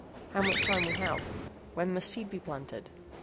HOW MUCH TIME WE HAVE? WHEN MUST SEED BE PLANTED?